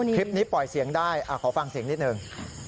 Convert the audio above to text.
คลิปนี้ปล่อยเสียงได้ขอฟังเสียงนิดหนึ่ง